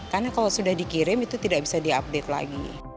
karena kalau sudah dikirim itu tidak bisa diupdate lagi